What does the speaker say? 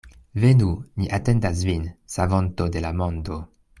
Venu, ni atendas vin, Savonto de la mondo.